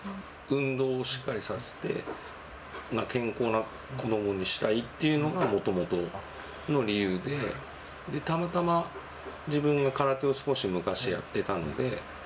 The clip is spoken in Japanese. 運動をしっかりさせて、健康な子どもにしたいっていうのが、もともとの理由で、たまたま自分が空手を少し昔、やってたので。